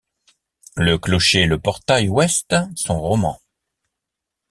Le clocher et le portail ouest sont romans.